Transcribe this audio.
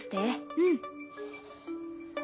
うん。